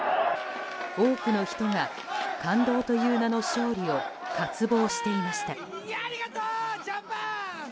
多くの人が感動という名の勝利を渇望していました。